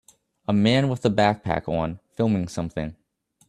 A man with a backpack on filming something